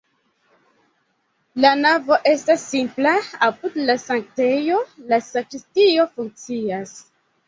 La navo estas simpla, apud la sanktejo la sakristio funkcias.